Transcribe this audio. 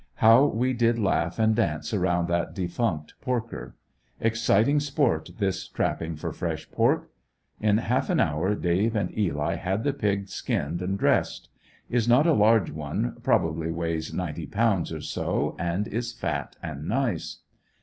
How we did laugh and dance around that defunct porker. Exciting sport this trapping for fresh pork. In half an hour Dave and Eli had the pig skinned and dressed. Is not a large one probably w^eighs ninety pounds or so, and is fat and nice.